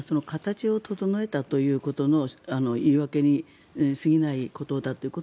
形を整えたということの言い訳に過ぎないことだと。